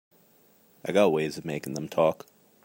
I got ways of making them talk.